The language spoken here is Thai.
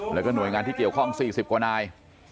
แล้วก็หน่วยงานที่เกี่ยวข้อง๔๐กว่านาย